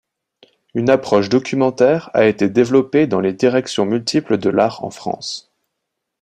Une approche documentaire a été développée dans les directions multiples de l'art en France.